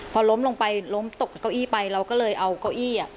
พอล้มลงไปล้มตกเก้าอี้ไปเราก็เลยเอาเก้าอี้